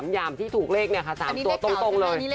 ๕๖๓ยามที่ถูกเลข๓ตัวตรงเลย